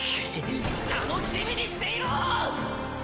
楽しみにしていろ！